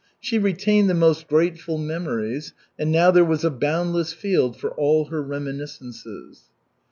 She retained the most grateful memories, and now there was a boundless field for all her reminiscences.